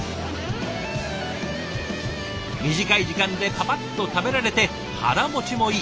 短い時間でパパッと食べられて腹持ちもいい。